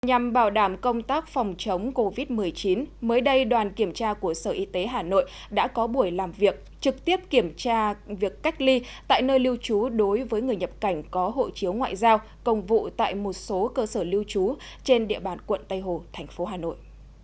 nhằm bảo đảm công tác phòng chống covid một mươi chín mới đây đoàn kiểm tra của sở y tế hà nội đã có buổi làm việc trực tiếp kiểm tra việc cách ly tại nơi lưu trú đối với người nhập cảnh có hộ chiếu ngoại giao công vụ tại một số cơ sở lưu trú trên địa bàn quận tây hồ thành phố hà nội